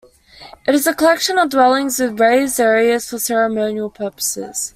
It is a collection of dwellings with raised areas for ceremonial purposes.